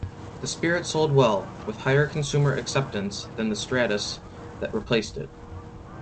The Spirit sold well; with higher consumer acceptance than the Stratus that replaced it.